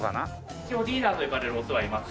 一応リーダーと呼ばれるオスはいます。